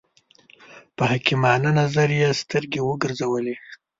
په حکیمانه نظر یې سترګې وګرځولې.